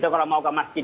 kalau mau ke masjid